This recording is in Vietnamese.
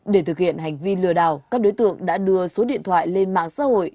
để thực hiện hành vi lừa đảo các đối tượng đã đưa số điện thoại lên mạng xã hội